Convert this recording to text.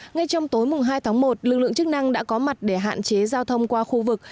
ngay trong tối hai tháng một lực lượng chức năng đã có mặt để hạn chế giao thông qua khu vực